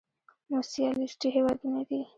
سوسيالېسټي هېوادونه دي.